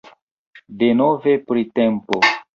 Denove printempo!..